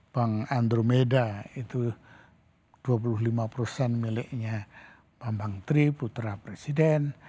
bank andromeda itu dua puluh lima miliknya pak menteri putra presiden